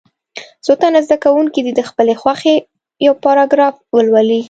څو تنه زده کوونکي دې د خپلې خوښې یو پاراګراف ولولي.